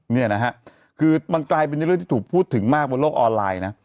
เนี่ยนะฮะคือมันกลายเป็นเรื่องที่ถูกพูดถึงมากบนโลกออนไลน์นะ